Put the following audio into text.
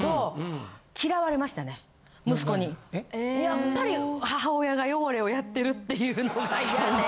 やっぱり母親がヨゴレをやってるっていうのが嫌で。